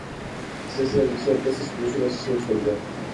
Si se hace en la dirección opuesta, produce una sensación de suavidad.